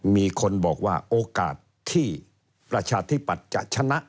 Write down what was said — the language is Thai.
มีคนบอกว่าโอกาสที่ประชาธิปัตย์จะชนะ